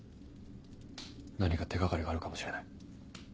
何か手掛かりがあるかもしれない。